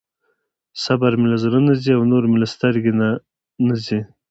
صبر مې له زړه نه ځي او نور مې له سترګې نه ځي.